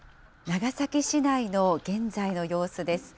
長崎市内の現在の様子です。